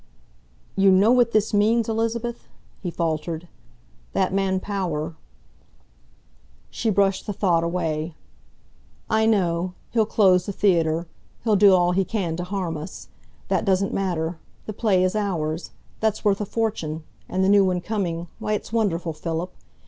"You know what this means, Elizabeth?" he faltered. "That man Power " She brushed the thought away. "I know. He'll close the theatre. He'll do all he can to harm us. That doesn't matter. The play is ours. That's worth a fortune. And the new one coming why, it's wonderful, Philip.